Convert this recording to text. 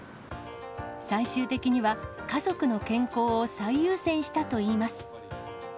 最終的には、家族の健康を最優先したといいます。